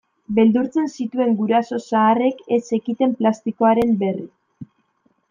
Beldurtzen zituen guraso zaharrek ez zekiten plastikoaren berri.